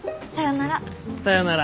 さよなら。